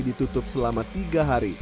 ditutup selama tiga hari